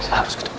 saya harus ketemu